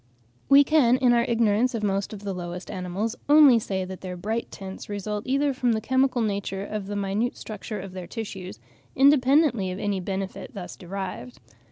We can, in our ignorance of most of the lowest animals, only say that their bright tints result either from the chemical nature or the minute structure of their tissues, independently of any benefit thus derived.